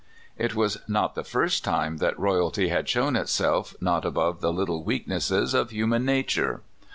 ' It was not the first time that royalty had shown itself not above the little weaknesses of human na ture.